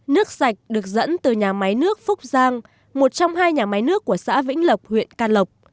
nước sạch được dẫn từ nhà máy nước phúc giang một trong hai nhà máy nước của xã vĩnh lộc huyện can lộc